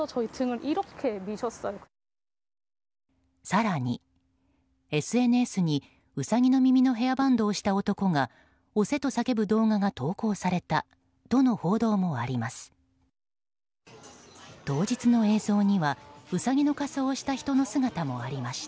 更にＳＮＳに、ウサギの耳のヘアバンドをした男が押せと叫ぶ動画が投稿されたとの報道もあります。